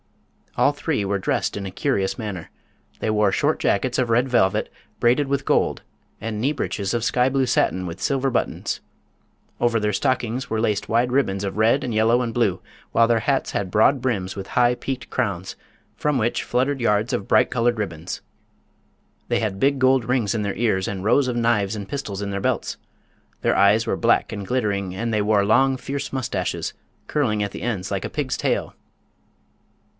All three were dressed in a curious manner. They wore short jackets of red velvet braided with gold, and knee breeches of sky blue satin with silver buttons. Over their stockings were laced wide ribbons of red and yellow and blue, while their hats had broad brims with high, peaked crowns, from which fluttered yards of bright colored ribbons. They had big gold rings in their ears and rows of knives and pistols in their belts. Their eyes were black and glittering and they wore long, fierce mustaches, curling at the ends like a pig's tail.